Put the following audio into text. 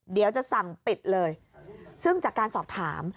เดี๋ยวจะสั่งปิดเลยซึ่งจากการสอบถาม